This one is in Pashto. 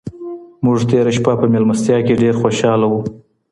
موږ تېره شپه په مېلمستیا کي ډېر خوشحاله وو.